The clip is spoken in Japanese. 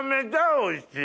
おいしい！